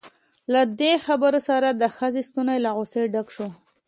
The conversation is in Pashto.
له دې خبرو سره د ښځې ستونی له غصې ډک شو.